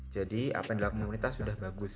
jadi apa yang dilakukan pemerintah sudah bagus